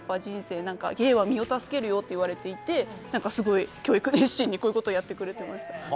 芸は身を助けるよと言われてすごい教育熱心にこういうことをやってくれていました。